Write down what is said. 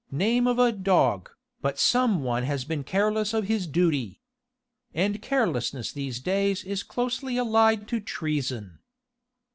Name of a dog, but some one has been careless of duty! and carelessness these days is closely allied to treason."